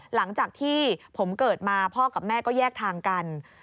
หลังจากที่ผมเกิดมาพ่อกับแม่ก็แยกทางกัน